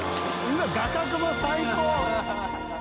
画角も最高！